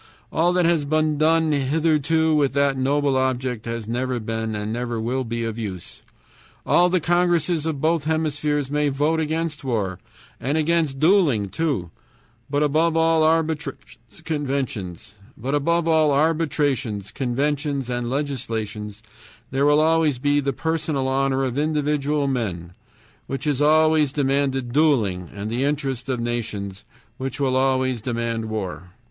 All that has been done hitherto with that noble object has never been and never will be of use. "All the congresses of both hemispheres may vote against war, and against dueling too, but above all arbitrations, conventions, and legislations there will always be the personal honor of individual men, which has always demanded dueling, and the interests of nations, which will always demand war.